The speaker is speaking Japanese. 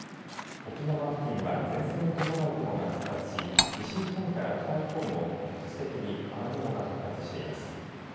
沖縄付近は前線に伴う雲が発達し西日本から北日本も局地的に雨雲が発達しています。